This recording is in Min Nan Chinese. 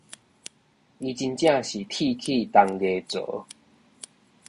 伊真正是鐵齒銅牙槽